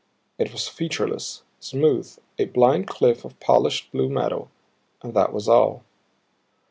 It was featureless, smooth, a blind cliff of polished, blue metal and that was all.